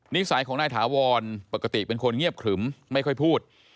นิสัยของนายถาวรปกติเป็นคนเงียบขรึมไม่ค่อยพูด